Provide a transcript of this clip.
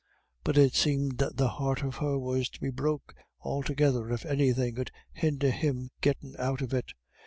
But it seemed the heart of her was to be broke altogether if anythin' 'ud hinder him gettin' out of it.